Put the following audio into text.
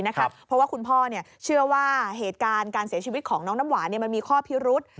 เพราะว่าคุณพ่อเชื่อว่าเหตุการณ์การเสียชีวิตของน้องน้ำหวานมันมีข้อพิรุษ